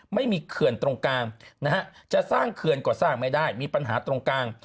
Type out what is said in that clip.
เขื่อนตรงกลางนะฮะจะสร้างเขื่อนก็สร้างไม่ได้มีปัญหาตรงกลาง